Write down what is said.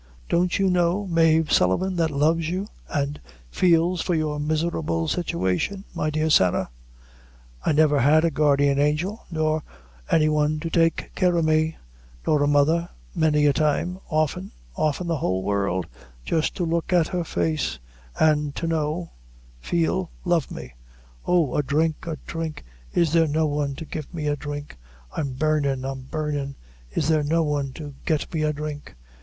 "Don't you know Mave Sullivan, that loves you, an' feels for your miserable situation, my dear Sarah." "I never had a guardian angel, nor any one to take care o' me nor a mother, many a time often often the whole world jist to look at her face an' to know feel love me. Oh, a dhrink, a dhrink is there no one to get me a dhrink! I'm burnin', I'm burnin' is there no one to get me a dhrink!